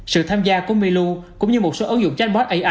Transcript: sự tham gia của milu cũng như một số ứng dụng chatbot ar